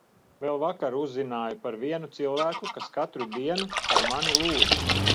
Vēl vakar uzzināju par vienu cilvēku, kas katru dienu par mani lūdza.